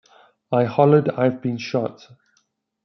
I hollered 'I've been shot!